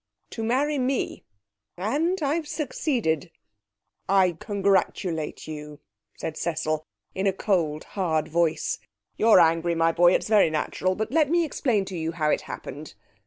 To marry me. And I've succeeded.' 'I congratulate you,' said Cecil, in a cold, hard voice. 'You're angry, my boy. It's very natural; but let me explain to you how it happened.'